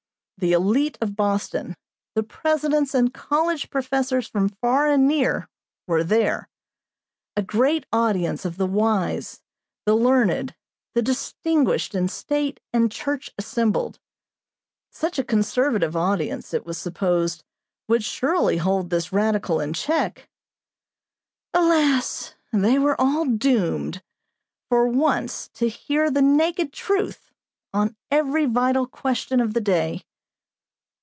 The élite of Boston, the presidents and college professors from far and near, were there. A great audience of the wise, the learned, the distinguished in State and Church assembled. Such a conservative audience, it was supposed, would surely hold this radical in check. Alas! they were all doomed, for once, to hear the naked truth, on every vital question of the day.